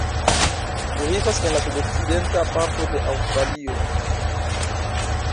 Ĝi vivas en la sudokcidenta parto de Aŭstralio.